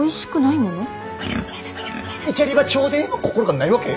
いちゃりばちょーでーの心がないわけ？